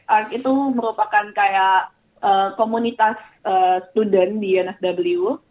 ars itu merupakan kayak komunitas student di nsw